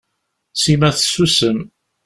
Sima tessusem.